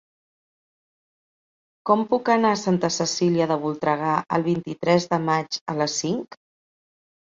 Com puc anar a Santa Cecília de Voltregà el vint-i-tres de maig a les cinc?